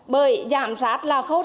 bởi giám sát là khâu sách